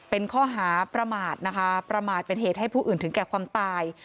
เป็นข้อหาประมาทนะคะประมาทเป็นเหตุให้ผู้อื่นถึงแก่ความตาย